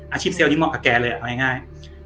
อาชีพเซลลนี้เหมาะกับแกเลยเอาง่าย